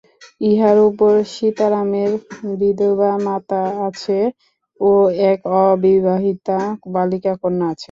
ইহার উপর সীতারামের বিধবা মাতা আছে ও এক অবিবাহিতা বালিকা কন্যা আছে।